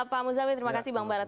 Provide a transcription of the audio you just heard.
pak muzami terima kasih bang barat